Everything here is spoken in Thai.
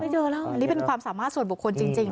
เจอแล้วอันนี้เป็นความสามารถส่วนบุคคลจริง